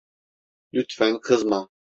Lütfen kızma.